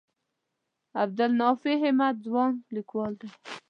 عبدالنافع همت ځوان لیکوال دی.